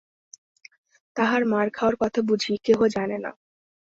তাহার মার খাওয়ার কথা বুঝি কেহ জানে না।